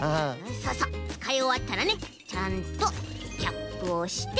そうそうつかいおわったらねちゃんとキャップをして。